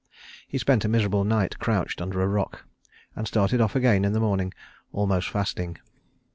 He spent a miserable night crouched under a rock, and started off again in the morning almost fasting.